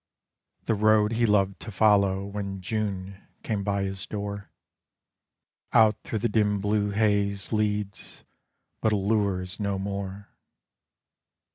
The road he loved to follow When June came by his door, Out through the dim blue haze Leads, but allures no more.